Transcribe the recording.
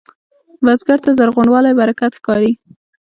بزګر ته زرغونوالی برکت ښکاري